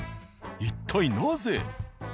一体なぜ？